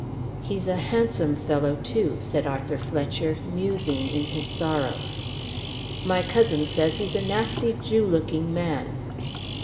"He's a handsome fellow, too," said Arthur Fletcher, musing in his sorrow. "My cousin says he's a nasty Jew looking man."